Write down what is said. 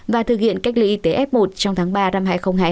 và thực hiện cách ly y tế f một trong tháng ba năm hai nghìn hai mươi